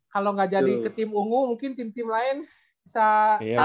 kalo gak jadi ke tim ungu mungkin tim tim lain bisa tari ya